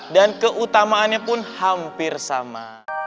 dan keutamaannya pun hampir sama